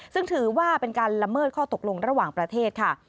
ซึ่งถือว่าเป็นการละเมิดข้อตกลงระหว่างประเทศค่ะ